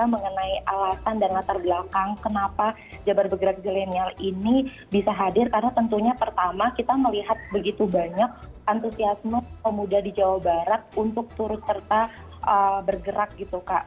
mengenai alasan dan latar belakang kenapa jabar bergerak zilenial ini bisa hadir karena tentunya pertama kita melihat begitu banyak antusiasme pemuda di jawa barat untuk turut serta bergerak gitu kak